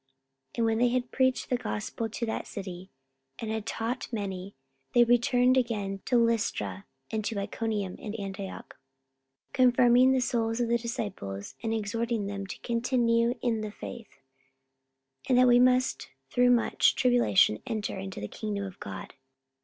44:014:021 And when they had preached the gospel to that city, and had taught many, they returned again to Lystra, and to Iconium, and Antioch, 44:014:022 Confirming the souls of the disciples, and exhorting them to continue in the faith, and that we must through much tribulation enter into the kingdom of God.